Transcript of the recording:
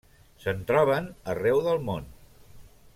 Se'n troben arreu del món.